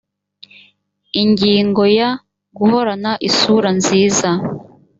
ingingo ya guhorana isura nziza